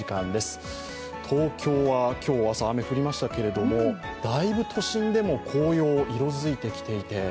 東京は今日、朝、雨降りましたけれどもだいぶ都心でも紅葉、色づいてきていて。